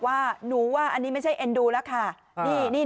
สาวมอบกี่สวยจังเลยเนอะ